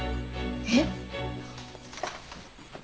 えっ！？